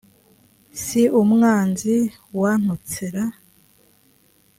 si umwanzi wantutser